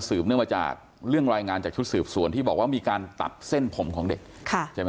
สื่อมาจากเรื่องรายงานจากชุศือบส่วนที่บอกมีการตัดเส้นผมของเด็ก